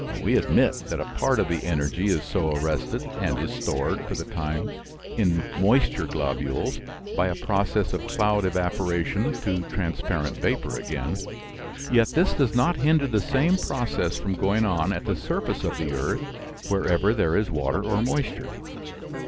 We admit that a part of the energy is so arrested, and is stored, for the time, in moisture globules by a process of cloud evaporation to transparent vapor again. Yet this does not hinder the same process from going on at the surface of the earth wherever there is water or moisture.